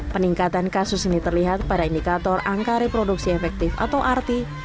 peningkatan kasus ini terlihat pada indikator angka reproduksi efektif atau arti